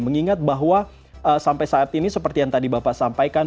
mengingat bahwa sampai saat ini seperti yang tadi bapak sampaikan